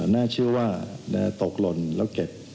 น่าเชื่อว่าตกหล่นแล้วเก็บ